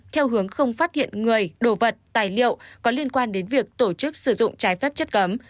theo hướng không phát hiện người đồ vật tài liệu có liên quan đến việc tổ chức sử dụng trái phép chất cấm